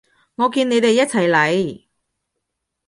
我見你哋一齊嚟